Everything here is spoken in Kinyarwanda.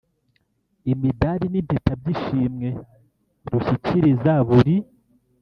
Imidari n Impeta by Ishimwe rushyikiriza buri